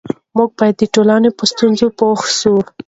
موږ باید د ټولنې په ستونزو پوه سو.